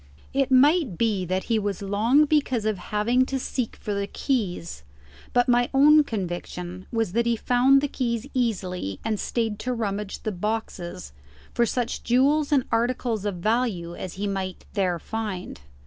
It might be that he was long because of having to seek for the keys; but my own conviction was that he found the keys easily and stayed to rummage the boxes for such jewels and articles of value as he might there find.